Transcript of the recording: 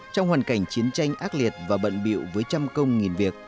trong hoàn cảnh chiến tranh ác liệt và bận biệu với trăm công nghìn việc